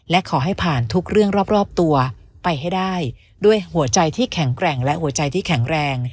และขอให้ผ่านทุกเรื่องรอบตัวไปให้ได้ด้วยหัวใจที่แข็งแกร่งและหัวใจที่แข็งแรง